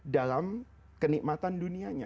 dalam kenikmatan dunianya